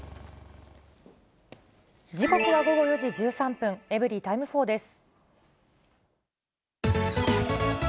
時刻は午後４時１３分、エブリィタイム４です。